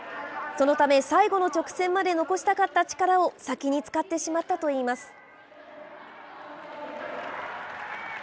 そのため、最後の直線まで残したかった力を先に使ってしまったといいます。